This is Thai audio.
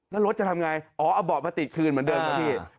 แล้วรถจะทำไงอ๋อเอาเบาะมาติดคืนเหมือนเดิมครับพี่